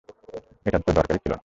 এটার তো দরকার ছিল না!